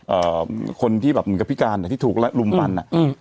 เอ่อคนที่แบบเหมือนกับพิการอ่ะที่ถูกรุมฟันอ่ะอืม